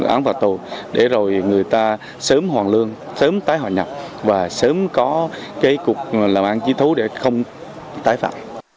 án phạt tù để rồi người ta sớm hoàn lương sớm tái hòa nhập và sớm có cái cục làm ăn trí thú để không tái phạm